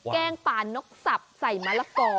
แกงป่านกสับใส่มะละกอ